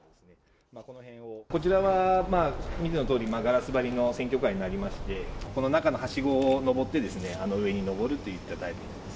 こちらはまあ、見てのとおり、ガラス張りの選挙カーになりまして、この中のはしごを上ってですね、上に上るといったタイプです。